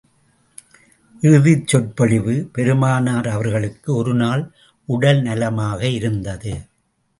இறுதிச் சொற்பொழிவு பெருமானார் அவர்களுக்கு ஒரு நாள் உடல் நலமாக இருந்தது.